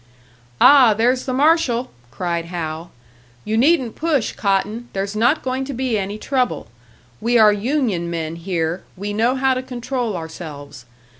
"Ah, there's the marshal!" cried Hal. "You needn't push, Cotton, there's not going to be any trouble. We are union men here, we know how to control ourselves.